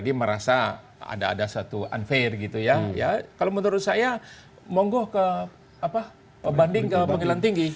dia merasa ada satu unfair gitu ya kalau menurut saya monggoh ke banding ke panggilan tinggi